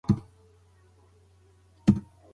هغه برس کاروي چې کوچنی سر لري.